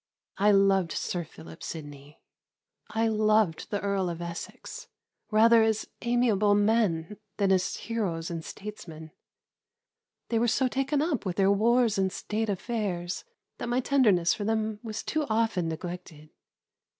I loved Sir Philip Sidney, I loved the Earl of Essex, rather as amiable men than as heroes and statesmen. They were so taken up with their wars and state affairs, that my tenderness for them was too often neglected.